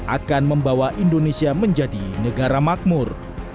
akan membawa indonesia menjadi negara makmur